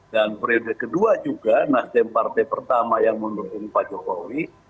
periode kedua juga nasdem partai pertama yang mendukung pak jokowi